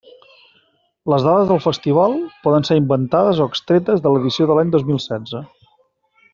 Les dades del festival poden ser inventades o extretes de l'edició de l'any dos mil setze.